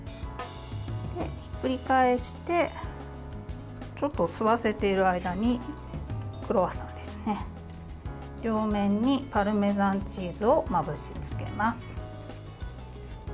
ひっくり返してちょっと吸わせている間にクロワッサンの両面にパルメザンチーズをまぶしつけます。